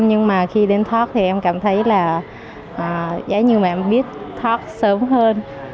nhưng mà khi đến tháp thì em cảm thấy là giá như mà em biết tháp sớm hơn